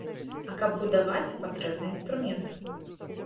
А каб будаваць, патрэбны інструмент.